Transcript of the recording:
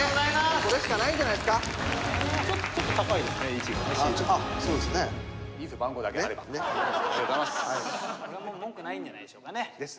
これは文句ないんじゃないでしょうかね。